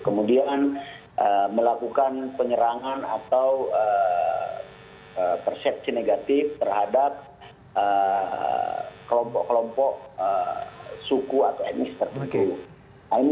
kemudian melakukan penyerangan atau persepsi negatif terhadap kelompok kelompok suku atau etnis tertentu